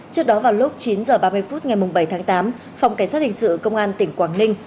trước đó vào lúc chín h ba mươi phút ngày bảy tháng tám phòng cảnh sát hình sự công an tỉnh quảng ninh